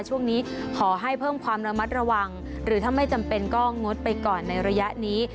ช่วงนี้ขอให้เพิ่มความระมัดระวังหรือถ้าไม่จำเป็นก็งดไปก่อนในระยะนี้